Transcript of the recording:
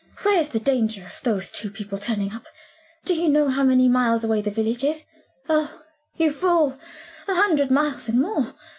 Where's the danger of those two people turning up? Do you know how many miles away the village is? Oh, you fool a hundred miles and more.